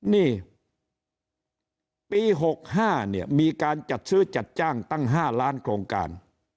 นี่ปี๖๕เนี่ยมีการจัดซื้อจัดจ้างตั้ง๕ล้านโครงการ